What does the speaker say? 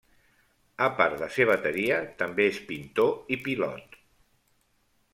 A part de ser bateria, també és pintor i pilot.